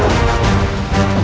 aku akan menangkapmu